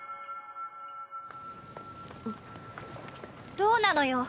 どうなのよ。